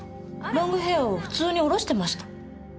ロングヘアーを普通に下ろしてました。